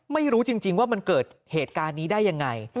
ไม่รู้จริงว่ามันเกิดเหตุการณ์นี้ได้ยังไง